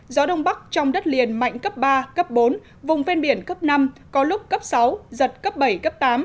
gió đông bắc trong đất liền mạnh cấp ba cấp bốn vùng ven biển cấp năm có lúc cấp sáu giật cấp bảy cấp tám